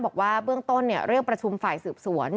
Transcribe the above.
บอกว่าเบื้องต้นเรียกประชุมฝ่ายสืบสวน